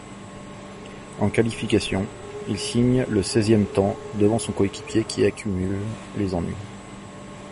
En qualifications, il signe le seizième temps, devant son coéquipier qui accumule les ennuis.